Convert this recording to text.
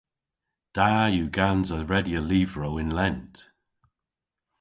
Da yw gansa redya lyvrow yn lent.